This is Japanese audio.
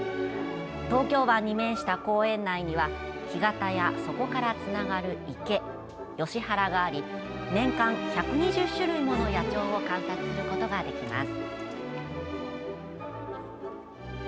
東京湾に面した公園内には干潟や、そこからつながる池ヨシ原があり年間１２０種類もの野鳥を観察することができます。